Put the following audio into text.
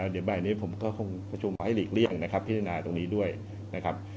เดี๋ยวบ่ายนี้ผมก็คงประชุมไว้หลีกเลี่ยงนะครับพิจารณาตรงนี้ด้วยนะครับ